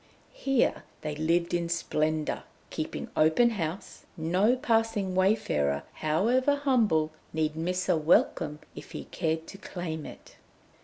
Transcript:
Here they lived in splendour, keeping open house; no passing wayfarer, however humble, need miss a welcome if he cared to claim it.